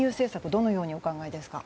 どのようにお考えですか？